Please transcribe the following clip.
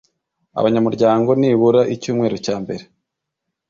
abanyamuryango nibura icyumweru cya mbere